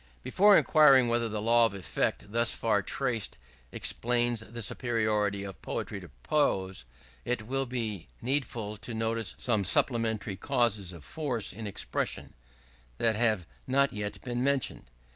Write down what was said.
Before inquiring whether the law of effect, thus far traced, explains the superiority of poetry to prose, it will be needful to notice some supplementary causes of force in expression, that have not yet been mentioned.